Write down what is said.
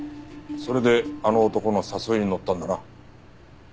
それであの男の誘いにのったんだな。